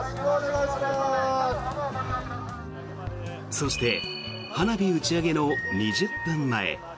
そして花火打ち上げの２０分前。